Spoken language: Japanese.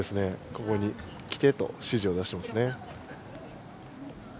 ここに来てとしじを出してますね。